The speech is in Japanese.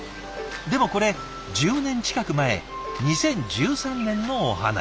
でもこれ１０年近く前２０１３年のお話。